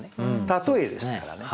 例えですからね。